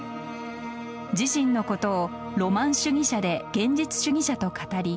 自身のことをロマン主義者で現実主義者と語り